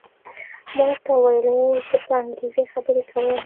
ما ورته وویل: هو، زه په انګریزي خبرې کوم.